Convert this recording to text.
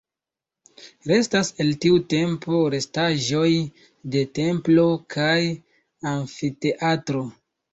Restas el tiu tempo restaĵoj de templo kaj amfiteatro.